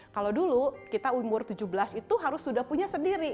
kalau dulu kita umur tujuh belas itu harus sudah punya sendiri